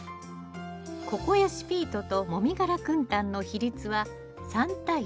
ココヤシピートともみ殻くん炭の比率は３対２。